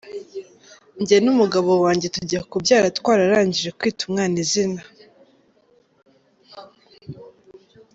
Njye n’umugabo wanjye tujya kubyara twararangije kwita umwana izina.